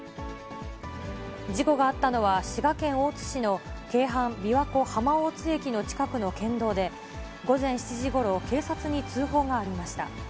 事故があったのは、滋賀県大津市の京阪・びわ湖浜大津駅近くの県道で、午前７時ごろ、警察に通報がありました。